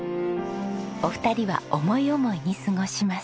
お二人は思い思いに過ごします。